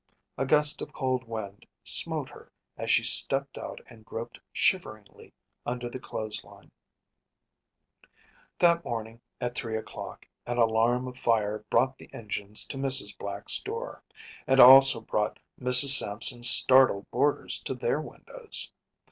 A gust of cold wind smote her as she stepped out and groped shiveringly under the clothes lines. That morning at three o’clock an alarm of fire brought the engines to Mrs. Black’s door, and also brought Mrs. Sampson’s startled boarders to their windows.